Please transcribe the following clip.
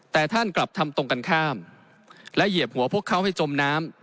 แต่ท่านกลับทำตรงกันข้ามและเหยียบหัวพวกเขาให้จมน้ำ